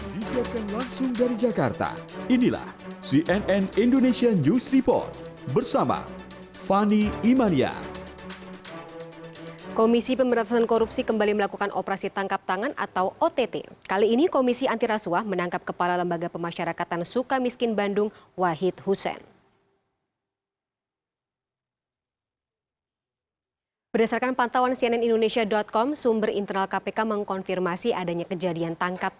disiapkan langsung dari jakarta inilah cnn indonesia news report bersama fani imania